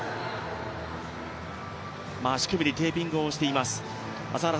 足首にテーピングをしています。